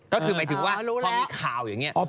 ก็คือหมายถึงว่าพอมีข่าวอย่างนี้